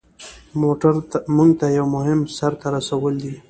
مونږ ته یو مهم سر ته رسول دي.